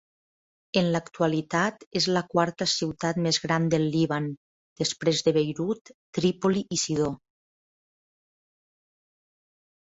En l'actualitat és la quarta ciutat més gran del Líban després de Beirut, Trípoli i Sidó.